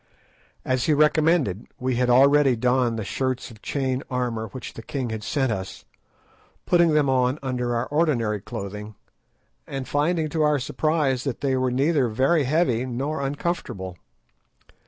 As he recommended, we had already donned the shirts of chain armour which the king had sent us, putting them on under our ordinary clothing, and finding to our surprise that they were neither very heavy nor uncomfortable.